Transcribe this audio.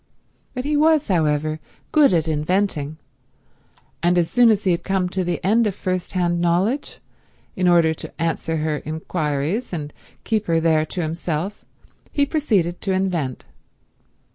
But he was, however, good at inventing; and as soon as he had come to an end of first hand knowledge, in order to answer her inquires and keep her there to himself he proceeded to invent.